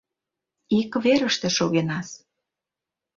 — Ик верыште шогенас!